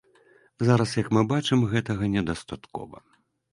Зараз, як мы бачым, гэтага недастаткова.